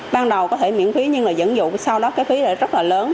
ban đầu có thể miễn phí nhưng là dẫn dụng sau đó cái phí lại rất là lớn